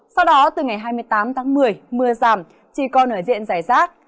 sau đó từ ngày hai mươi tám tháng một mươi mưa giảm chỉ còn ở diện giải rác